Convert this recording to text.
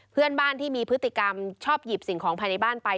เพื่อนบ้านที่มีพฤติกรรมชอบหยิบสิ่งของภายในบ้านไป